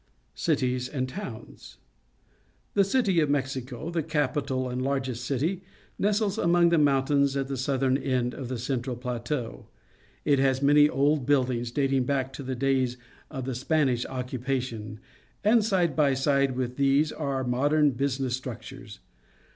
Cities and Towns. —• The city of Mexico, the capital and largest city, nestles among the mountains at the southern end of the central plateau. It has many old buildings, dating back to the days of the Spanish occu pation, and side by side with these are modern business structures.